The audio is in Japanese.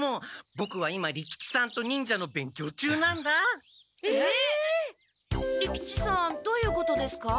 ボクは今利吉さんと忍者の勉強中なんだ。えっ！？利吉さんどういうことですか？